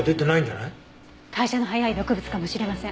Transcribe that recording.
代謝の早い毒物かもしれません。